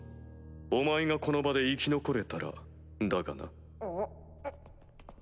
お前がこの場で生き残れたらだがな。